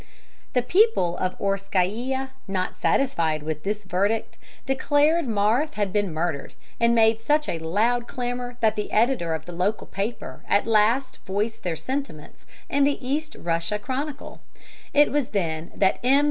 The people of Orskaia, not satisfied with this verdict, declared Marthe had been murdered, and made such a loud clamour that the editor of the local paper at last voiced their sentiments in the East Russia Chronicle. It was then that M.